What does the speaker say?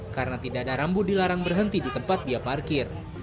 karena tidak ada rambu dilarang berhenti di tempat dia parkir